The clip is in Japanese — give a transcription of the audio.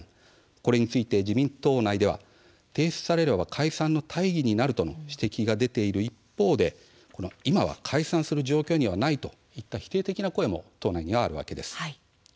これについて自民党内では提出されれば解散の大義になるとの指摘が出ている一方で今、解散する状況にはないといった否定的な声も党内にはあるわけです。